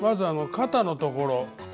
肩のところ。